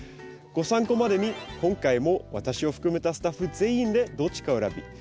ご参考までに今回も私を含めたスタッフ全員でどっちかを選び